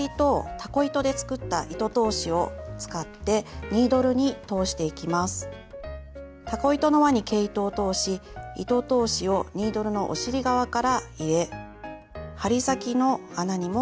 たこ糸の輪に毛糸を通し糸通しをニードルのお尻側から入れ針先の穴にも通していきます。